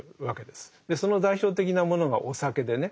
その代表的なものがお酒でね。